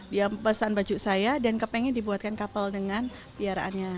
dia pesan baju saya dan kepengen dibuatkan kapal dengan tiaraannya